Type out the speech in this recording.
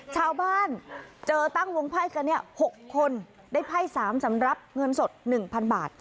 ชาวบ้านเจอตั้งวงไพ่กันเนี่ย๖คนได้ไพ่๓สำหรับเงินสด๑๐๐๐บาท